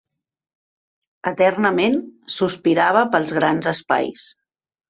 Eternament sospirava pels grans espais